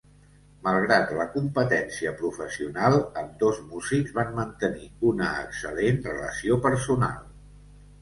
Malgrat la competència professional, ambdós músics van mantenir una excel·lent relació personal.